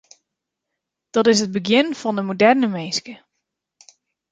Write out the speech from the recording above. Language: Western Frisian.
Dat is it begjin fan de moderne minske.